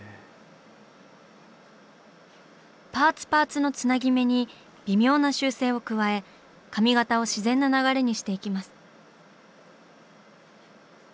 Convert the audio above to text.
パーツパーツのつなぎ目に微妙な修正を加え髪型を自然な流れにしていきます。